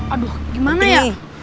aduh gimana ya